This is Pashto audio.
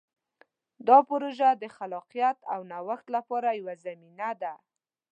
دا پروژه د خلاقیت او نوښت لپاره یوه زمینه ده.